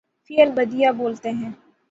فی البدیہہ بولتے ہیں۔